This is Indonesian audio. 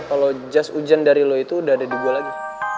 kalo jas ujian dari lo itu udah ada di gue lagi